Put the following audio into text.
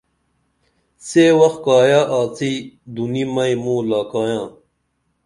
سے وخ کائیہ آڅی دُنی مئی موں لاکائیاں